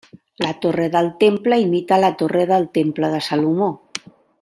La Torre del Temple imita la torre del Temple de Salomó.